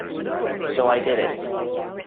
So I did it.